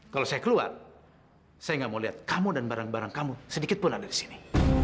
kalau saya keluar saya nggak mau lihat kamu dan barang barang kamu sedikit pun ada di sini